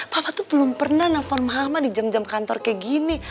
papa tuh belum pernah nelfon mama di jam jam kantor kayak gini